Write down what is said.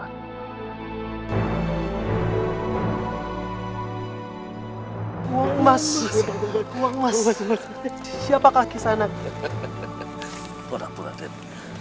uang mas siapakah kesana